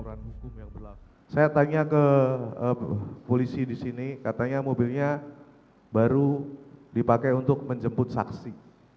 saya tanya ke polisi di sini katanya mobilnya baru dipakai untuk menjemput saksi